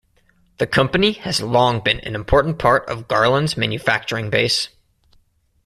The company has long been an important part of Garland's manufacturing base.